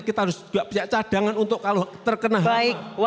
kita harus juga punya cadangan untuk kalau terkena hal